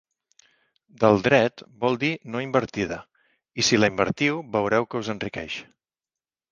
Del dret vol dir no invertida, i si la invertiu veureu que us enriqueix.